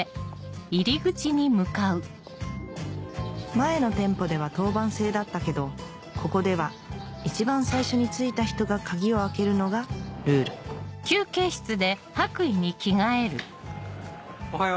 前の店舗では当番制だったけどここでは一番最初に着いた人が鍵を開けるのがルールおはよう。